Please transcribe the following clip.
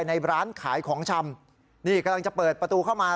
ในร้านขายของชำนี่กำลังจะเปิดประตูเข้ามา